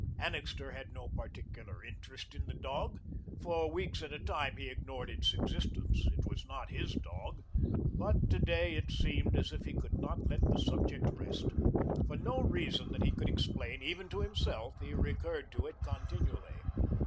Annixter had no particular interest in the dog. For weeks at a time he ignored its existence. It was not his dog. But to day it seemed as if he could not let the subject rest. For no reason that he could explain even to himself, he recurred to it continually.